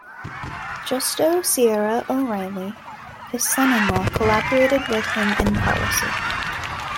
Justo Sierra O'Reilly, his son-in-law collaborated with him in policy.